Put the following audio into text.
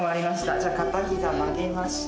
じゃあ片膝曲げました。